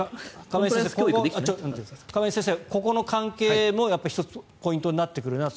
亀井先生、ここの関係も１つポイントになってくるなと。